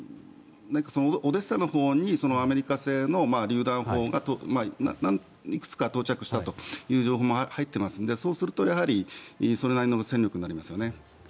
オデーサのほうにアメリカ製のりゅう弾砲がいくつか到着したという情報も入っていますので、そうするとそれなりの戦力になりますよね。